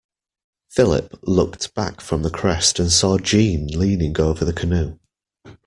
Philip looked back from the crest and saw Jeanne leaning over the canoe.